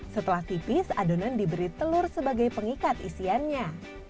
setelah tipis adonan diberi telur sebagai pengikat isiannya